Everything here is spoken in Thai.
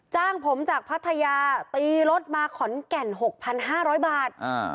จ้างผมจากพัทยาตีรถมาขอนแก่น๖๕๐๐บาท